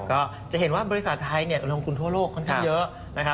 ก็จะเห็นว่าบริษัทไทยลงทุนทั่วโลกค่อนข้างเยอะ